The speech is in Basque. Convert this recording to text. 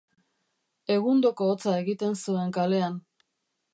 Egundoko hotza egiten zuen kalean.